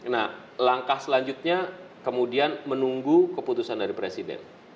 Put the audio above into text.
nah langkah selanjutnya kemudian menunggu keputusan dari presiden